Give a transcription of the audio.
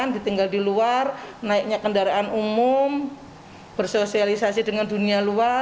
ditinggal di luar naiknya kendaraan umum bersosialisasi dengan dunia luar